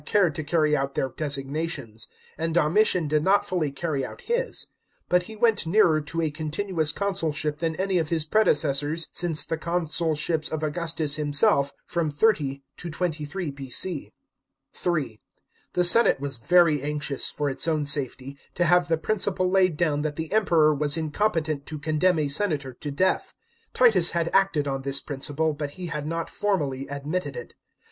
XXL cared to carry out their derivations, and Domirian did not fully carry out bis; but he went nearer to a con'intious consulship than any of his predecessors since the consulships of Augustus himself from 30 to 23 B c. (3) The senate was very anxious, for its own safety, to have the principle laid down that the Emperor was incompetent to condemn a senator to death. Titus had acted on this principle, hut he had not formally admitted it.